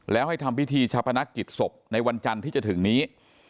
แล้วให้ทำพิธีชาพนักกิจศพในวันจันทร์ที่จะถึงนี้